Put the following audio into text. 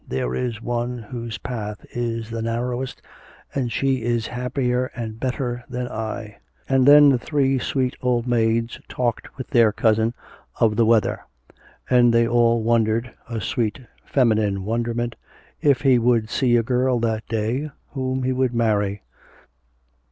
'There is one whose path is the narrowest, and she is happier and better than I.' And then the three sweet old maids talked with their cousin of the weather; and they all wondered a sweet feminine wonderment if he would see a girl that day whom he would marry.